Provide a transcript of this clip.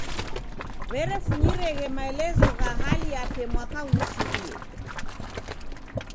W'erefunyireghe maelezo gha hali yape mwaka ghusirie.